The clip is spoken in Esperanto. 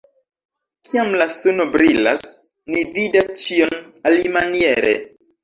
Kiam la suno brilas, ni vidas ĉion alimaniere.